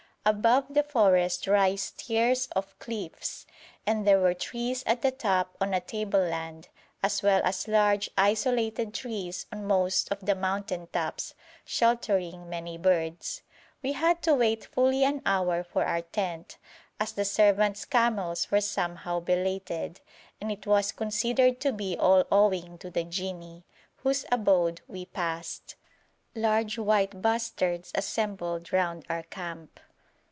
Above the forest rise tiers of cliffs, and there were trees at the top on a tableland, as well as large isolated trees on most of the mountain tops, sheltering many birds. We had to wait fully an hour for our tent, as the servants' camels were somehow belated, and it was considered to be all owing to the jinni, whose abode we passed. Large white bustards assembled round our camp.